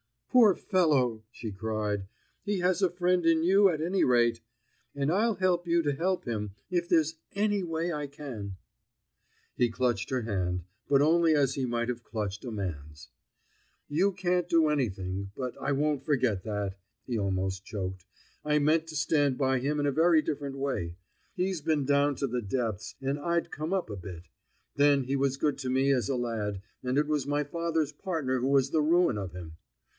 "Poor fellow," she cried, "he has a friend in you, at any rate! And I'll help you to help him, if there's any way I can?" He clutched her hand, but only as he might have clutched a man's. "You can't do anything; but I won't forget that," he almost choked. "I meant to stand by him in a very different way. He'd been down to the depths, and I'd come up a bit; then he was good to me as a lad, and it was my father's partner who was the ruin of him.